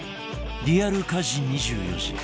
リアル家事２４時